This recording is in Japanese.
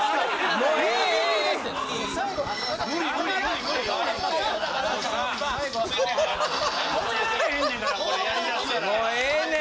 もうええねん！